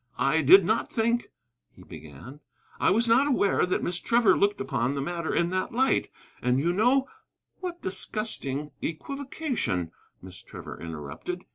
"I did not think " he began. "I was not aware that Miss Trevor looked upon the matter in that light, and you know " "What disgusting equivocation," Miss Trevor interrupted.